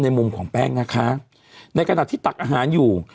มุมของแป้งนะคะในขณะที่ตักอาหารอยู่